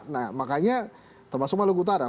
nah makanya termasuk maluku utara